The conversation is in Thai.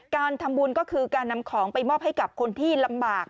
การทำบุญก็คือการนำของไปมอบให้กับคนที่ลำบาก